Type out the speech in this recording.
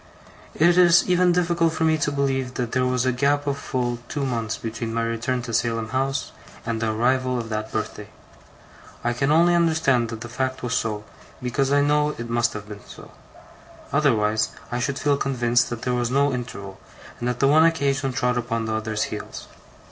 It is even difficult for me to believe that there was a gap of full two months between my return to Salem House and the arrival of that birthday. I can only understand that the fact was so, because I know it must have been so; otherwise I should feel convinced that there was no interval, and that the one occasion trod upon the other's heels.